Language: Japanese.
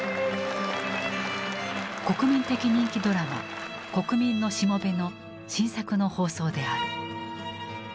国民的人気ドラマ「国民の僕」の新作の放送である。